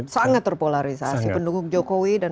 sangat terpolarisasi pendukung jokowi dan